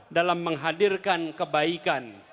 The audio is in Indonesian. dalam menghadirkan kebaikan